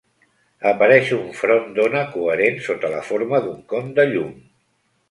Apareix un front d'ona coherent sota la forma d'un con de llum.